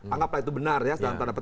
anggaplah itu benar ya